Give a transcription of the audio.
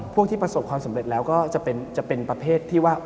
ที่ประสบความสำเร็จแล้วก็จะเป็นประเภทที่ว่า